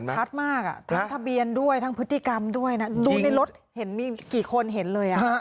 ชัดมากอ่ะทั้งทะเบียนด้วยทั้งพฤติกรรมด้วยนะดูในรถเห็นมีกี่คนเห็นเลย